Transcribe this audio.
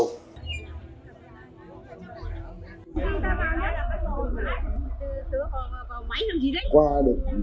qua được những cái người khen nhân chứng